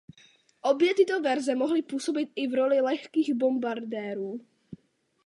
Obě tyto verze mohly působit i v roli lehkých bombardérů.